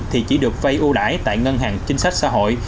thì chỉ được vay ưu đải tại ngân hàng chính sách xã hội